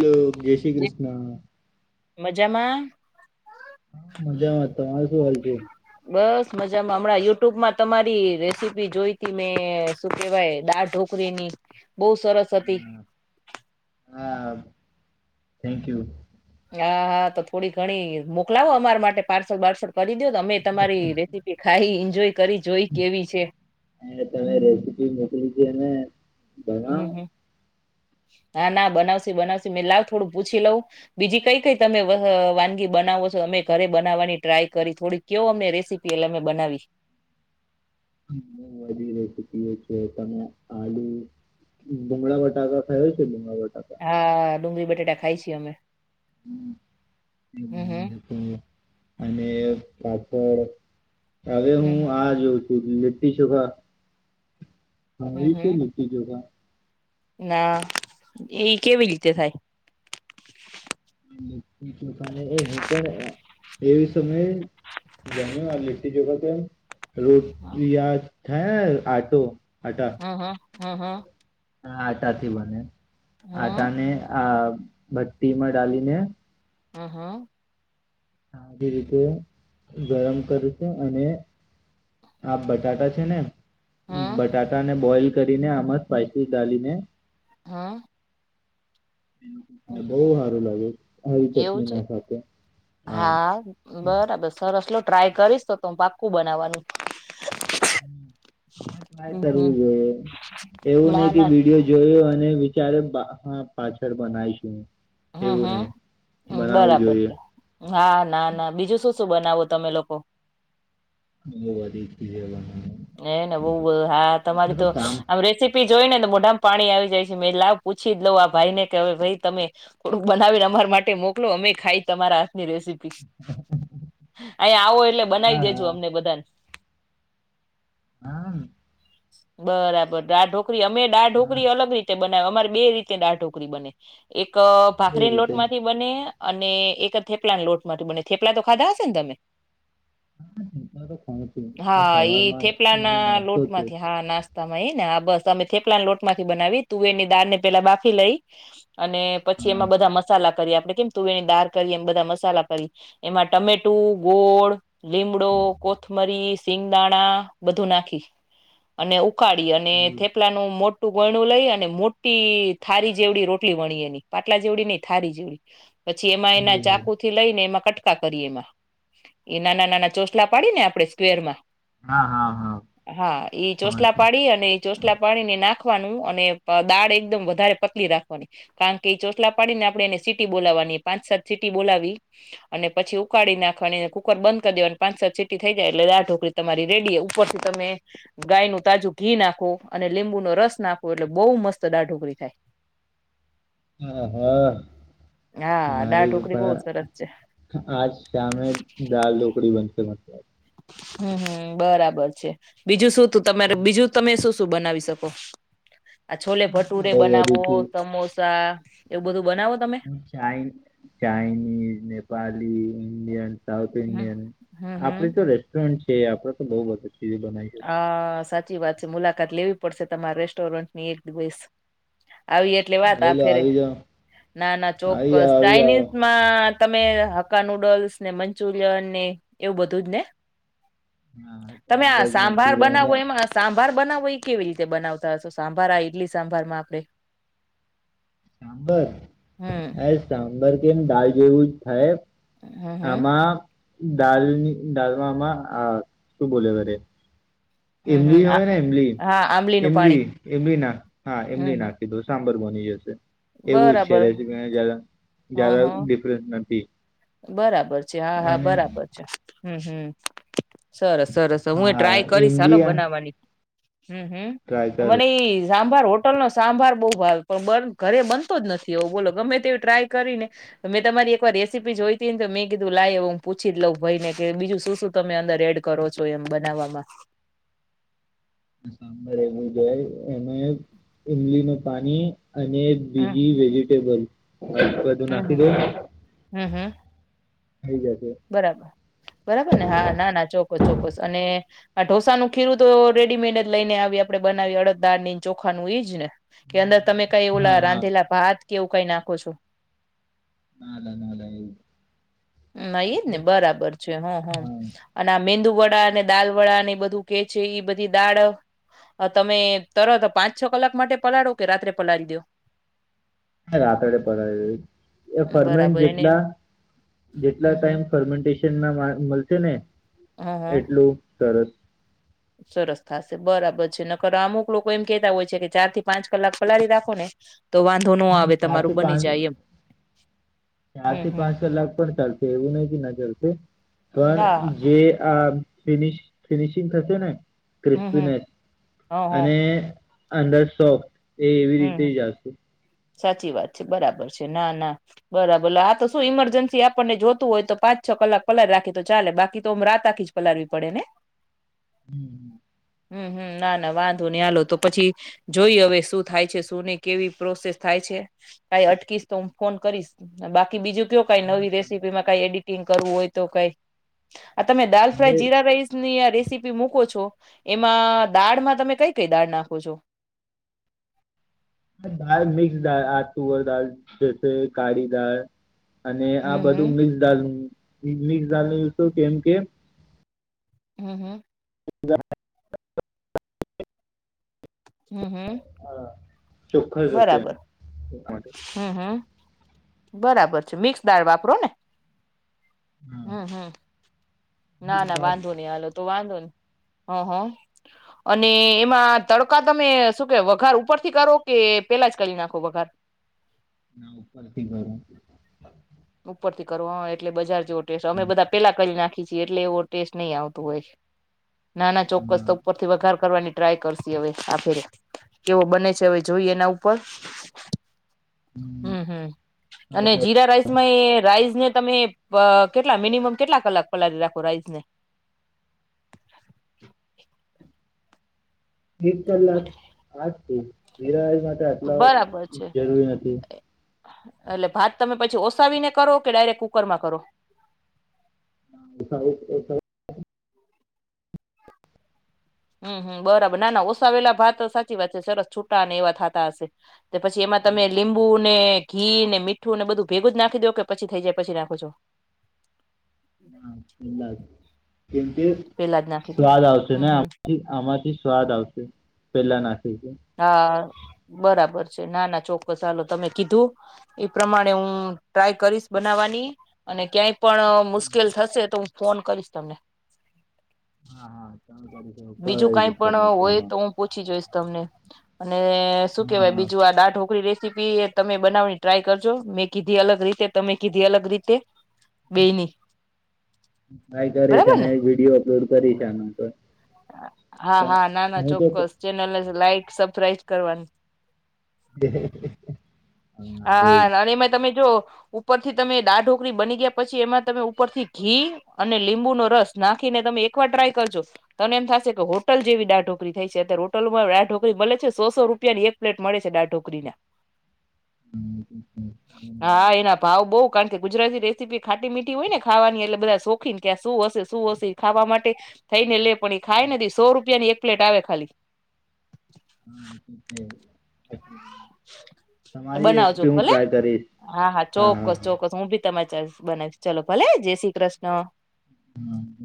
[inaudible] જય શ્રી જે કૃષ્ણ. મજામાં? હા મજામાં તમારે શું હાલ છે? બસ મજામાં હમણાં યુટ્યુબમાં તમારી રેસીપી જોઈતી મેં શું કેવાય દાળ ઢોકરીની. બહુ સરસ હતી. હા, થેન્ક યુ. હા હા તો થોડી ઘણી મોકલાવો અમાર માટે પાર્સલ બાર્સલ. કરી દયો તો અમેય તમારી રેસીપી ખાઈ એન્જોય કરી જોઈ કેવી છે અ તમે રેસીપી મોકલી તી અને અમ હમ્મ. હા ના બનાવશે બનાવશે મેં લાવ થોડું પૂછી લઉં બીજી કઈ-કઈ તમે વ અ વાનગી બનાવો છો અમે ઘરે બનાવવાની ટ્રાય કરી થોડી કેવો અમને રેસીપી એટલે અમે બનાવી. હ વધી ર ચુકી એ છે તમે આલુ ભુગળા બટાકા ખાયો છે ડુંગળા બટા હા ડુંગળી બટેટા ખાઈ છી અમે. એ હમ્મ હમ્મ. બનાવી શકું. અને પાપડ હવે હું હમ હમ આ જોઉ લીટ્ઠી ચોખા હમ [unintelligible] છે હમ લીટી ચોખા ના એ કેવી રીતે થાય? લીટ્ટી ચોખાને એ હું પણ એવી સમયે જાણ્યું આ લીટ્ટી ચોખા તો એમ હમ રોટલી યાત હે આટો હ હ. હ હ. હા આટાથી બને હમ આટાને અ ભટ્ટીમાં ડાલીને હમ્મ હમ્મ. આધી રીતે ગરમ કરશે અને આ બટાટા છે ને હમ બટાટાને બોઈલ કરીને આમાં સાઈટ્રિક ડાલીને હ. બહુ હારું લાગે [unintelligible] એવું ચટણી છે ના ખાવ કે હા બરાબર સર રસલો ટ્રાય કરીશ તો તો હ પાક્કું બનાવવાનું. ટ્રાય હમ હમ કરવું જોઈએ. એવું નહ ના કે ના વિડીયો જોયો અને ક્યારે બા હા પાછળ બનાયશું. હમ્મ હમ્મ બરાબર જોઈએ છે. હા ના ના બીજું શું શું બનાવો તમે લોકો? [unintelligible] એ ને બહુ હા આપણે તમારી તો કામ આમ રેસીપી જોઈને એટલે મોઢામાં પાણી આવી જાય છે. મે લાવ પૂછીજ લઉ આ ભાઈ ને, કે હવે ભાઈ તમે થોડુંક બનાવીને અમાર માટે મોકલો અમે ખાઈ તમારા ની રેસીપી. અહીંયા આવો એટલે બનાવી હા દેજો હા અમને બધાને હા. બરાબર દાઢો અમે હા ઢોકળી અલગ રીતે બ ને અમારે બે રીતે દાળ ઢોકળી બને એક ક કેવી ભાખરી રીતે લોટમાંથી બને અને એક થેપલા લોટ માટે બને થેપલા તો ખાધા હશે ને તમે. હા તો ખણ છ આ સવારમાં. થેપલા મારો ના નાસ્તો છે લોટમાંથી હા નાસ્તા. તમે એને બસ તમે થેપલાને લોટમાંથી બનાવી તુવેર ની દાળ ને પેલા બાફી લઈ અને પછી હા એમાં બધા મસાલા કરી આપડણે કેમ તુવેર ની દાળ કરી એમ બધા મસાલા કરી એમાં ટામેટું ગોળ. લીમડો કોથમરી. સિંગદાણા. બધું નાખી અને. ઉકાળી અને એવું થેપલાનું મોટ. મોટું વણું લઈ અને મોટી થારી જેવડી રોટલી વણી એની પાટલા જેવડી નહી થારી જેવડી. પછી એમાં એના એવું ચાકુ થી લઈને એમાં કટ. કટકા કરી એમાં એ નાના નાના ચોસલા પાડી ને આપણે સ્ક્વેરમાં. હા હા હા હા એ ખબર ચોસલા પાડી અને ચોસલા પાડી ને નાખ. નાખવાનું અને દાળ એકદમ વધારે પતલી રાખવાની કારણ કે ચોટલા પાડીને આપડણે એને સીટી બોલાવવાની પાંચ સાત સીટી બોલાવી અને પછી ઉકાળી નાખવાની કુકર બંધ કરી દેવા અને પાંચ સાત સીટી થઈ જાય એટલે દાળ ઢોકળી તમારી રેડી. ઉપરથી તમે ગાયનું તાજું ઘી નાખો અને લીંબુનો રસ નાખો એટલે બહુ મસ્ત દાળ ઢોકળી થાય. હ હા હા દાળ મારી ઢોકળી બહુ સરસ છે [inaudible] આજ સામે દાલ ઢોકડી બનશે મ. હમ હમ બરાબર છે બીજું શું. તો તમારે બીજું તમે શું. શું બનાવી શકો. આ છોલે હું ભટુરે બનાવો તો સમોસા એવું બધું બનાવો તમે? [unintelligible] Chinese, Nepali Indian. સાઉથ હમ ઇન્ડિયન હમ આપડી તો રેસ્ટોરન્ટ્સ એ આપડે તો બહુ બધું હા સા ચી વાત છે મુલાકાત લેવી પડશે તમારા રેસ્ટોરન્ટની એક દિવસ. આવી એટલે વાત લઈ આ લો ફેરે આવી જાઓ ના ના આવી ચોક્કસ જાઓ આવી જાઓ ચાાઈનીઝમાં તમે હક્કા નુડલ્સ ને મંચુરિયન ને એવું બધું જ ને? હા તમે આ પણ. સાંભાર બનાવવો એમાં સાંભાર બનાવ ઉ એ કેવી રીતે બનાવતા હશો સાંભાર આ ઈડલી સાંભારમાં આપણે? સાંભર એય સાભ ર કેમ દાલ જેવું જ થાય. હમ હમ આમાં દાલની દાલમાંમાં આ શું બોલે વરે હમ હમ ઈમલી આ હોય ને ઈમલી હા આંબલીનું પાણી ઈમલી ઈમલી ના હા હમ ઈમલી હમ નાખી દો સાંભર તો બની જશે. એવું જ છે બરાબર રે જયાદા હ હ જયાદા ડિફરન્સ નથી. બરાબર. છે હા હા અને બરાબર છે. હમ્મ હમ્મ. સરસ સરસ હું એય હા ટ્રાય કરીશ હાલો ઇમલી બનાવાની. હમ્મ હમ્મ ટ્રાય કરો મને એઈ સાંભાર હોટલ નો સાંભાર બહુ ભાવે પણ બ ઘરે બનતો જ નથી એવો બોલો ગમે તેવી ટ્રાય કરીને મેં તમારી એકવાર રેસી પી જોઈતીને તો મેં કીધું લાય એ હું પૂછી લઉં ભઈ ને કે બીજું શું શું તમે અંદર એડ કરો છો એમ બનાવવામાં? કે એવું જાય એને ઈમલીનું પાણી અને હમ બીજી વેજીિટેબલ. આદું બાદુ હમ નાખી હમ દો. હમ હમ થઈ જશે. બરાબર બરાબર ને હા ના ના ચોક્ક ચોક્કસ અને આ ઢોસાનું ખીરું તો રેડીમેડ જ લઈ ને આવી આપડણે બનાવી અડદદાળ ઈની ચોખાનું ઈજ ને? કે અંદર તમે કઈ હા ઓલા હા રાંધેલા ભાત કે એવું કંઈ નાખો છો? નાલા નાલા એવું નઈ ને બરાબર છે હ હ હા અને આ મેંદુવડા ને દાલ વડા ને બધું કે છેે એ બધી દાળ તમે તરત પાંચ છ કલાક માટે પલાળો કે રાત્રે પલાળી દો હ રાતડે પલાળી એ ફરમેન બરાબર એને જેટલા જેટલા હમ હમ ટાઈમ ફરમેન્ટીંગ મળશે ને હ હ એટલું સરસ સરસ થશે બરાબર છે નકરા અમુક લોકો એમ કેતા હોય છે કે ચાર થી પાંચ કલાક પલાળી રાખો ને તો વાંધો ન હા આવે ચાર તમારું થી બની પાંચ જાય એમ ચાર હમ થી હમ પાંચ કલાક પણ ચાલશે એવું નહ ન ચાલશે હા પણ જે આ ફિનિશ ફિનિશિંગ થશે ને હમ હમ ક્રિસ્પનેસ હ અને હ અંદર સોફ એ એવી રીતે હમ આવશે સાચી વાત છે બરાબર છે ના ના બરાબર આા તો શું ઈમરજન્સી આપણને જોતું હોય તો પાંચ છ કલાક પલળી રાખે તો ચાલે બાકી તો આમ રાત આખી જ પલાળવી પડે ને હમ્મ હમ્મ હમ્મ ના ના વાંધો નહી હાલો તો પછી જોઈ હવે શ થાય છે શું નહી કેવી પ્રોસેસ થાય છે કઈ અટકીશ તો હું ફોન કરીશ બાકી બીજું કઈ ન હા તમે કરો રેસીપીમાં કઈ એડિટિંગ કરવું હોય તો કઈ આ તમે દાલ ફ્રાય અરે જીરા રાઈસ ની ર રસીપી મૂકો છો એમાં દાળમાં તમે કઈ કઈ દાળ નાખો છો દાળ મિક્સ દાળ આ તુવર દાળ જ કાળી દાળ અને આ હમ બધું હમ મિકસ દાળ ઈડલી કેમ કેમ હમ્મ હમ્મ [inaudible] હમ્મ હમ્મ હા ચોખ્ખસ હશે બરાબર એનો માટે હમ્મ હમ્મ બરાબર છે મિક્સ દાળ વાપરો ને હા હમ્મ હમ્મ ના મિક્સ ના દાળ વાંધો નહી હાલો તો વાંધો ની હ હ અને એમાં તડકા તમે શું કે વઘાર ઉપરથી કરો કે પેલા જ કરી નાખો વઘાર ના ઉપરથી કરું ઉપર થી કરો એટલે બજાર જેવો ટેસ્ટ છે અમે હા, બધા પેલા ક કરી નાખી ખીચી એટલે એવો ટેસ્ટ નહી આવતું હોય નાના ચોક્કસ ઉપરથી વગાર કરવાની ટ્રાય કરશ હવે આફેરે કેવો બને છે હવે જોઈએ એના ઉપર હમ્મ, હમ્મ અને તો જીરા રાઈસ એ રાઈસને તમે પ અહ કેટલા મિનિમમ કેટલા કલાક પલાળ રાખો રાઈસને? એક કલાક આસ તો જીરા રાઈસ માટે આટલા બરાબર છે. જરૂરી નથી એટલે ભાત તમે પછી ઓ સાવીને કરો કે ડાયરેક્ટ કુકરમાં કરો? [inaudible] હમ્મ, હમ્મ. બરાબર ના ના ઓસાવેલા ભાત સાચી વાત છે સરસ છૂટા અને એવા થતા હશે તો પછી એમાં તમે લીંબુ ને ઘી ને મીઠું ને બધું ભેગું જ નાખી દો કે પછી થઈ જાય પછી નાખો છો? ના કલાક કેમ કે પેલા જ નાખી દે સ્વાદ આવશે હમ ને હમ આમાંથી આમાંથી સ્વાદ આવશે પેલા નાખી છે. હા બરાબર છે ના ના ચોક્કસ ચાલો તમે કીધું એ પ્રમાણે હું ટ્રાય કરીશ બનાવવાની અને ક્યાંય પણ મુશ્કેલ થશે તો ફોન કરીશ તમને. હા, હા. તમે કરી શકો બીજું કોઈ કઈ દિક્કત પણ નથી હોય આમાં તો હું પૂછી જોઈશ તમને. હ. અને શું હા કેહેવાય હા બીજું આ દાડ ઢોકરી રે સીપી એ તમે બનાવની ટ્રાય કરજો મેં કીધી અલગ રીતે તમે કીધી અલગ રીતે. હમ્મ. બેયની આ કરી છે ને વિડીયો અપલોડ કરીશ આના પર. હા હા ના ના હું તો હા ચોક્કસ ચેનલ ને લાઈક સબસ્ક્રાઈબ કરવાની. હા એજ. હા અને એમાં તમે જો ઉપરથી તમે દાળ ઢોકળી બની ગયા પછી એમાં તમે ઉપરથી ઘી અને લીંબુનો રસ નાખીને તમે એકવાર ટ્રાય કરજો તને એમ થશે કે હોટલ જેવી દાળ ઢોકળી થઈ છે, અત્યારે હોટલમાં દાળ ઢોકળી મલે છે સોસો રૂપિયાની એક પ્લેટ મળે છે દાળ ઢોકળીના. જ. હા એના ભાવ બહ. કારણ કે ગુજરાતી રેસીપી ખાટી મીઠી હોયને ખાવાની એટલે બધા શોખીન કે આ શું હશે શું હશે એ ખાવા માટે થઈ ને એટલે પણ ખાય નથી સો રૂપિયાની એક પ્લેટ આવે ખાલી. હા એ તો છે. તમારી બનાવજો રેસીપી હું ભલે ટ્રાય કરીશ હા હા ચોક્કસ ચોક્કસ હું ભી તમારી જાતે બનાવીશ ચલો ભલે જય શ્રી કૃષ્ણ. હા બ